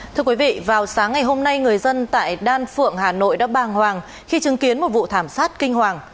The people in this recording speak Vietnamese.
thưa quý vị vào sáng ngày hôm nay người dân tại đan phượng hà nội đã bàng hoàng khi chứng kiến một vụ thảm sát kinh hoàng